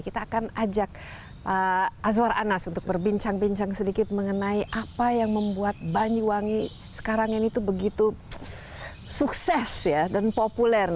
kita akan ajak pak azwar anas untuk berbincang bincang sedikit mengenai apa yang membuat banyuwangi sekarang ini tuh begitu sukses ya dan populer